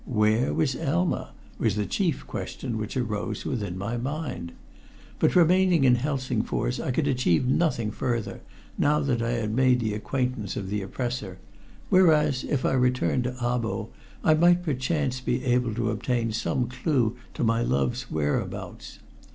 Where was Elma? was the chief question which arose within my mind. By remaining in Helsingfors I could achieve nothing further, now that I had made the acquaintance of the oppressor, whereas if I returned to Abo I might perchance be able to obtain some clue to my love's whereabouts.